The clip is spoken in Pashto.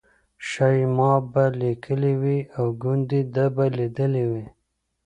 شایي ما به لیکلي وي او ګوندې ده به لیدلي وي.